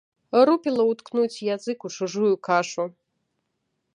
Рупіла ўткнуць язык у чужую кашу.